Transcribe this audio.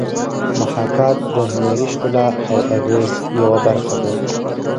محاکات د هنري ښکلا او اغېز یوه برخه ده